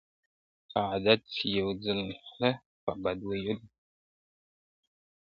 که عادت سي یو ځل خوله په بد ویلو `